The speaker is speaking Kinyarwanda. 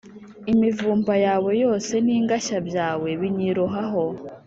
imivumba yawe yose n’ingashya byawe binyirohaho.